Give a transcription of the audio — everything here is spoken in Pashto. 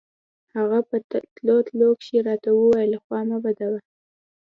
هغه په تلو تلو کښې راته وويل خوا مه بدوه.